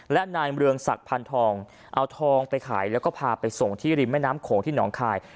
และนายเมืองศักดิ์พันธองเอาทองไปขายแล้วก็พาไปส่งที่ริมแม่น้ำโขงที่หนองคาย